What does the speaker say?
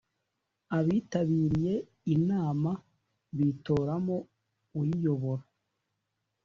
abitabiriye inama bitoramo uyiyobora.